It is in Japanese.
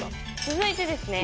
続いてですね